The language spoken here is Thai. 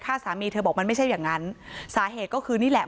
สามีเธอบอกมันไม่ใช่อย่างนั้นสาเหตุก็คือนี่แหละ